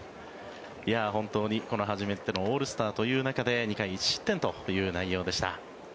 本当に、この初めてのオールスターという中で２回１失点という内容でした。